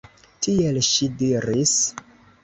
Tiel ŝi diris.